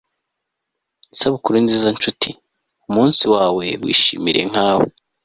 isabukuru nziza nshuti. umunsi wawe wishimire nkawe